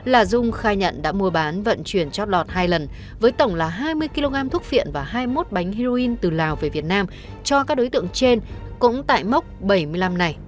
là dung khai nhận đã mua bán vận chuyển chót lọt hai lần với tổng là hai mươi kg thuốc viện và hai mươi một bánh heroin từ lào về việt nam cho các đối tượng trên cũng tại mốc bảy mươi năm này